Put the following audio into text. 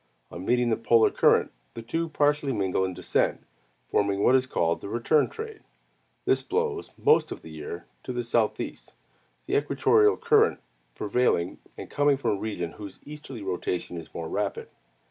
On meeting the polar current, the two partially mingle and descend, forming what is called the return trade. This blows, most of the year, to the southeast, the equatorial current prevailing and coming from a region whose easterly rotation is more rapid.